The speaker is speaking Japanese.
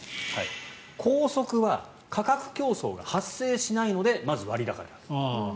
高速は価格競争が発生しないのでまず割高であると。